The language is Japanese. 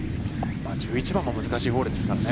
１１番も難しいホールですからね。